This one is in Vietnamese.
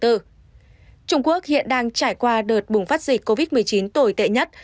trung quốc hiện đang trải qua đợt bùng phát dịch covid một mươi chín tồi tệ nhất